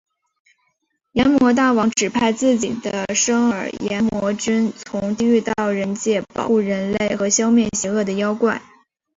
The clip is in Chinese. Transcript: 阎魔大王指派自己的甥儿炎魔君从地狱到人界保护人类和消灭邪恶的妖怪。